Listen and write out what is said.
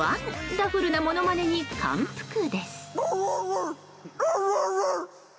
ダフルなものまねに感服です。